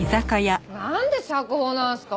なんで釈放なんですか？